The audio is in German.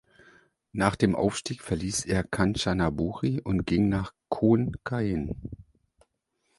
Nach dem Aufstieg verließ er Kanchanaburi und ging nach Khon Kaen.